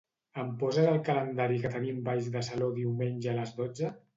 Em poses al calendari que tenim balls de saló diumenge a les dotze?